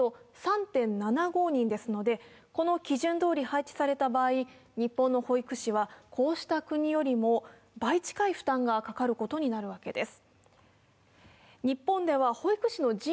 この基準通り配置された場合、日本の保育士はこうした国よりも倍近い負担がかかることになるわけです。